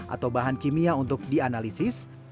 atau bahan kimia untuk dianalisis